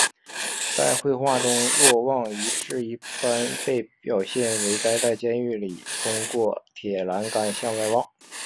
在绘画中若望一世一般被表现为待在监狱里通过铁栏杆向外望。